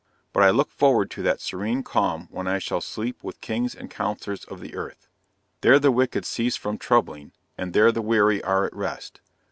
But I look forward to that serene calm when I shall sleep with Kings and Counsellors of the earth. There the wicked cease from troubling, and there the weary are at rest!